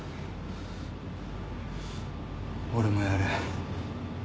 俺もやる。